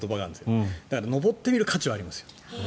だから登ってみる価値はあります。